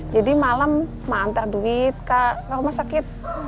jadi malam saya antar duit ke rumah sakit